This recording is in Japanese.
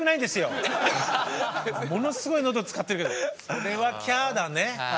それはキャーだね。